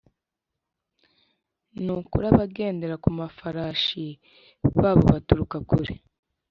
ni ukuri abagendera ku mafarashi babo baturuka kure,